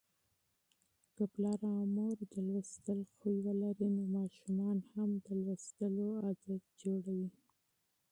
که پلار او مور مطالعه کوي، ماشومان هم مطالعه کوي.